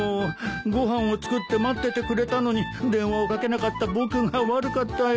ご飯を作って待っててくれたのに電話をかけなかった僕が悪かったよ。